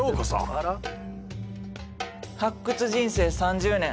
発掘人生３０年